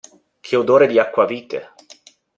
Che odore di acquavite!